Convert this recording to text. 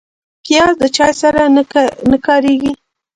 پیاز د چای سره نه کارېږي